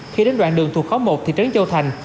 khi đến đoạn đường thuộc khóm một thị trấn châu thành